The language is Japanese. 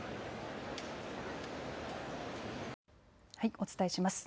お伝えします。